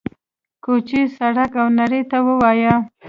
کوڅې، سړک او نړۍ ته ووايي: